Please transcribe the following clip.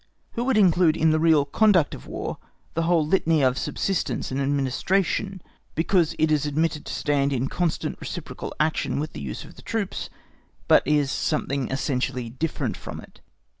Who would include in the real "conduct of War" the whole litany of subsistence and administration, because it is admitted to stand in constant reciprocal action with the use of the troops, but is something essentially different from it?